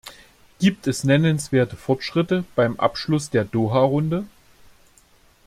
Gibt es nennenswerte Fortschritte beim Abschluss der Doha-Runde?